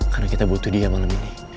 karena kita butuh dia malam ini